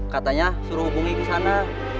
katanya suruh hubungi ke sana